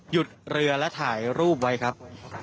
หยุดเรือและถ่ายรูปไว้ครับ